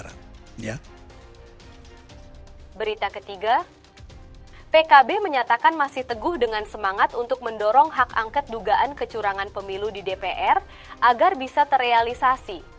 berita ketiga pkb menyatakan masih teguh dengan semangat untuk mendorong hak angket dugaan kecurangan pemilu di dpr agar bisa terrealisasi